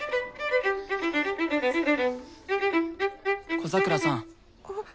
小桜さん。